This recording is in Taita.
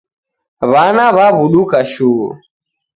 W'ana w'aw'uduka shuu